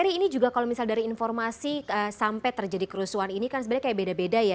tapi ini juga kalau misal dari informasi sampai terjadi kerusuhan ini kan sebenarnya kayak beda beda ya